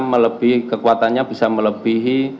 melebihi kekuatannya bisa melebihi